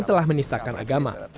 telah menistakan agama